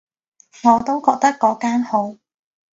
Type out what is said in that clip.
我都覺得嗰間好